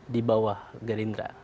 di bawah gerindra